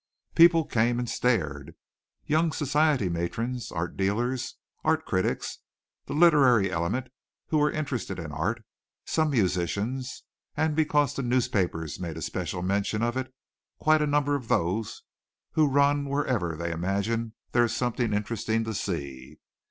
People came and stared. Young society matrons, art dealers, art critics, the literary element who were interested in art, some musicians, and, because the newspapers made especial mention of it, quite a number of those who run wherever they imagine there is something interesting to see.